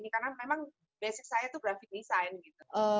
karena memang basic saya itu graphic design gitu